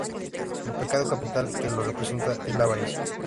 El pecado capital que lo representa es la Avaricia.